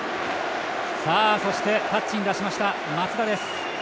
そして、タッチに出しました松田です。